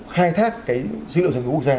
khai thác cái dữ liệu dân cư quốc gia